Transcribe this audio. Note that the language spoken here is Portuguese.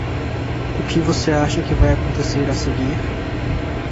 O que você acha que vai acontecer a seguir?